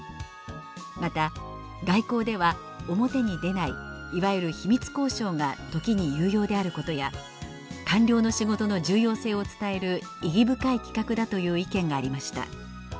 また「外交では表に出ないいわゆる秘密交渉が時に有用であることや官僚の仕事の重要性を伝える意義深い企画だ」という意見がありました。